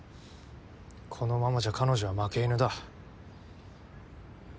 このままじゃ彼女は負け犬だ。